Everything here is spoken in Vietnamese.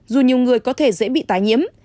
dù nhiều người có thể dễ bị tái nhiễm